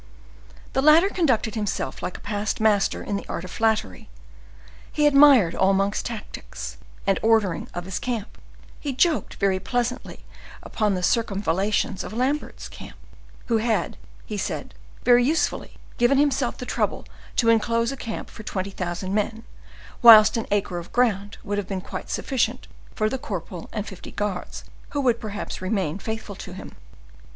The latter conducted himself like a past master in the art of flattery: he admired all Monk's tactics, and the ordering of his camp; he joked very pleasantly upon the circumvallations of Lambert's camp, who had, he said, very uselessly given himself the trouble to inclose a camp for twenty thousand men, whilst an acre of ground would have been quite sufficient for the corporal and fifty guards who would perhaps remain faithful to him.